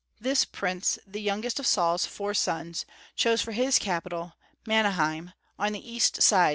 This prince, the youngest of Saul's four sons, chose for his capital Mahanaim, on the east of the Jordan.